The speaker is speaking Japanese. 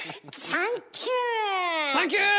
サンキュー！